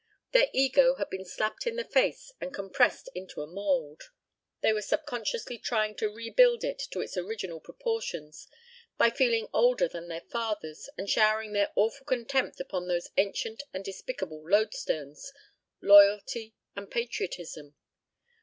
Their ego had been slapped in the face and compressed into a mould; they were subconsciously trying to rebuild it to its original proportions by feeling older than their fathers and showering their awful contempt upon those ancient and despicable loadstones: "loyalty" and "patriotism."